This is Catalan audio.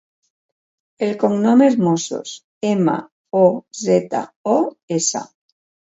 El cognom és Mozos: ema, o, zeta, o, essa.